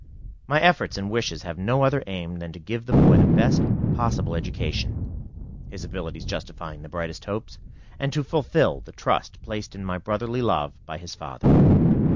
My efforts and wishes have no other aim than to give the boy the best possible education, his abilities justifying the brightest hopes, and to fulfil the trust placed in my brotherly love by his father.